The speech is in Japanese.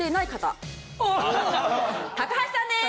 高橋さんです！